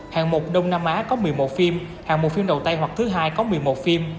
hạng một đông nam á có một mươi một phim hạng một phim đầu tay hoặc thứ hai có một mươi một phim